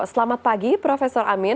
selamat pagi prof amin